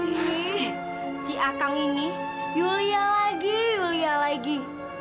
nih si akang ini yulia lagi yulia lagi